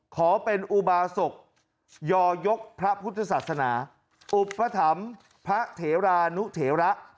ขอเป็นอุบาศกยอยกพระพุทธศาสนาอุปถัมภ์พระเถรานุเถระ